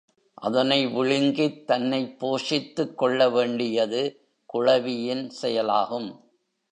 அதனை விழுங்கித் தன்னைப் போஷித்துக் கொள்ள வேண்டியது குழவியின் செயலாகும்.